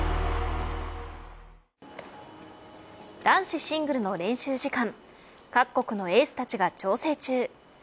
男子シングルの練習時間各国のエースたちが調整中。